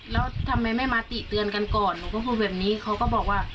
แล้วทำไมไม่มาติเตือนกันก่อนหนูก็พูดแบบนี้เขาก็บอกว่า